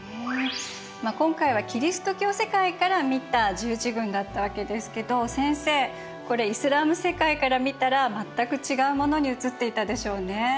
まあ今回はキリスト教世界から見た十字軍だったわけですけど先生これイスラーム世界から見たら全く違うものに映っていたでしょうね。